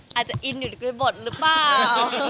เราอาจจะอินอยู่ในบทรมานรึเปล่า